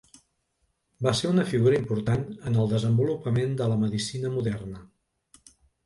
Va ser una figura important en el desenvolupament de la medicina moderna.